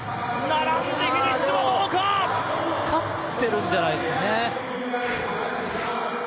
でも勝ってるんじゃないですかね